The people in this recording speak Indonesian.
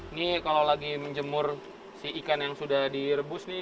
ini kalau lagi menjemur si ikan yang sudah direbus nih